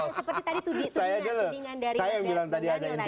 seperti tadi tudingan dari mas daniel tadi